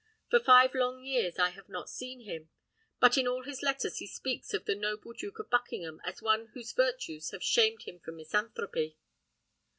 For five long years I have not seen him, but in all his letters he speaks of the noble Duke of Buckingham as one whose virtues have shamed him from misanthropy."